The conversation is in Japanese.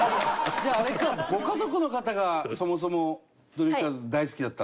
じゃああれかご家族の方がそもそもドリフターズ大好きだったんだ。